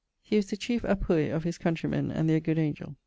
He was the chiefe appuy of his countreymen and their good angel.